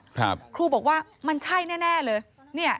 ครูบอกว่ามันใช่แน่เลย